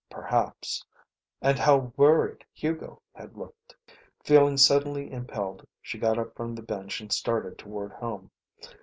Perhaps ... and how worried Hugo had looked.... Feeling suddenly impelled she got up from the bench and started toward home.